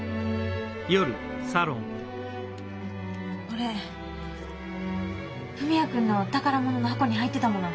これ文也君の宝物の箱に入ってたもの。